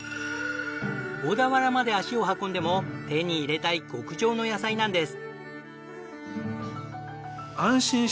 小田原まで足を運んでも手に入れたい極上の野菜なんです。